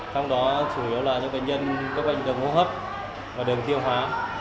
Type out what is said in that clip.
trong đó chủ yếu là những bệnh nhân có bệnh đường hô hấp và đường tiêu hóa